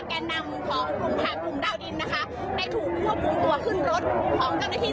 แก่นำของกลุ่มดาวดินนะคะได้ถูกควบคุมตัวขึ้นรถของเจ้าหน้าที่